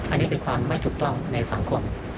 อันนี้เป็นความไม่ถูกต้องในสังคม